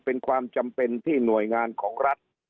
เป็นความจำเป็นที่หน่วยงานของรัฐ